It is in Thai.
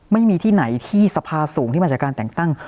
ไม่มีที่ไหนที่สภาสูงที่มาจากการแต่งตั้ง